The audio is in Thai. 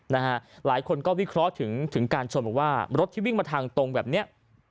หลายคนก็วิเคราะห์ถึงถึงการชนบอกว่ารถที่วิ่งมาทางตรงแบบเนี้ย